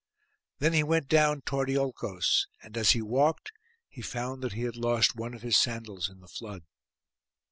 Then he went down toward Iolcos; and as he walked he found that he had lost one of his sandals in the flood.